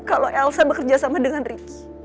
kalo elsa bekerja sama dengan ricky